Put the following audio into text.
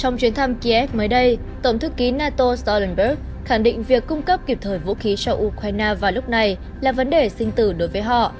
trong chuyến thăm kiev mới đây tổng thư ký nato stolenberg khẳng định việc cung cấp kịp thời vũ khí cho ukraine vào lúc này là vấn đề sinh tử đối với họ